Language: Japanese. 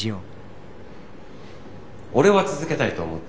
俺は続けたいと思ってる。